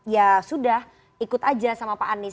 ya sudah ikut aja sama pak anies